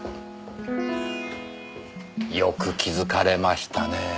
よく気づかれましたねえ。